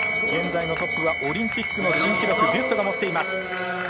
現在トップはオリンピックの新記録はビュストが持っています。